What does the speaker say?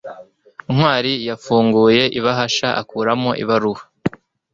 ntwali yafunguye ibahasha akuramo ibaruwa